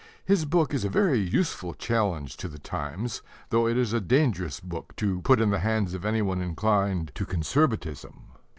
His book is a very useful challenge to the times, though it is a dangerous book to put in the hands of anyone inclined to Conservatism.